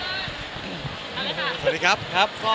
คุณผู้รู้ชนิดนี้เปิดตัวเป็นทางการแล้วสำหรับเสร็จภาชัย